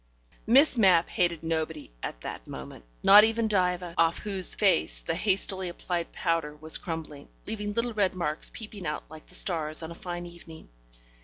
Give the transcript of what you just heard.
Miss Mapp hated nobody at that moment, not even Diva, off whose face the hastily applied powder was crumbling, leaving little red marks peeping out like the stars on a fine evening.